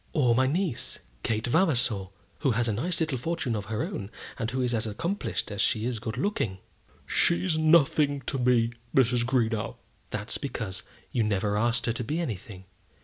"Or my niece, Kate Vavasor, who has a nice little fortune of her own, and who is as accomplished as she is good looking." "She's nothing to me, Mrs. Greenow." "That's because you never asked her to be anything.